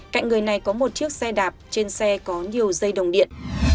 cạnh người này có một chiếc xe đạp trên xe có nhiều dây đồng điện